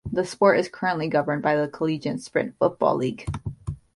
The sport is currently governed by the Collegiate Sprint Football League.